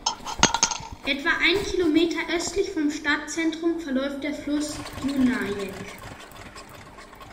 Etwa einen Kilometer östlich vom Stadtzentrum verläuft der Fluss Dunajec.